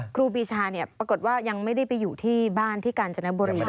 ครูปีชาปรากฏว่ายังไม่ได้ไปอยู่ที่บ้านที่กาญจนบุรี